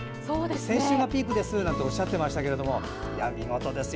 先週がピークですとおっしゃっていましたが見事ですよ。